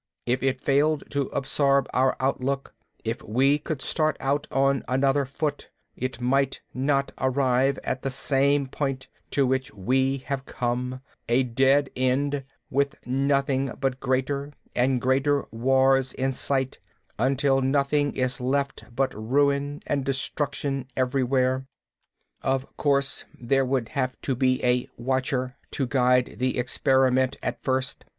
If it failed to absorb our outlook, if it could start out on another foot, it might not arrive at the same point to which we have come: a dead end, with nothing but greater and greater wars in sight, until nothing is left but ruin and destruction everywhere. "Of course, there would have to be a Watcher to guide the experiment, at first.